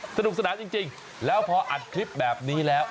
สนุกสนานจริงแล้วพออัดคลิปแบบนี้แล้ว